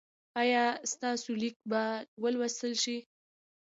ایا ستاسو لیک به ولوستل شي؟